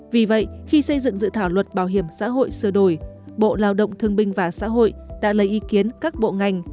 vì vậy khi xây dựng dự thảo luật bảo hiểm xã hội sửa đổi bộ lao động thương binh và xã hội đã lấy ý kiến các bộ ngành